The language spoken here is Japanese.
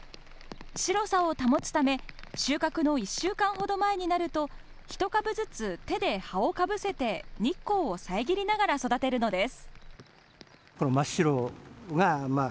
白さを保つため収穫の１週間ほど前になると一株ずつ手で葉をかぶせて日光を遮りながら育てるのです。